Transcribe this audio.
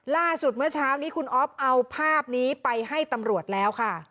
เมื่อเช้านี้คุณอ๊อฟเอาภาพนี้ไปให้ตำรวจแล้วค่ะ